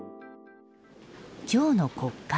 今日の国会。